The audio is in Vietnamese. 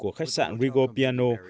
của khách sạn rigo piano